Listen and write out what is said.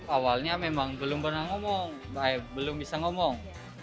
awalnya memang belum pernah ngomong belum bisa ngomong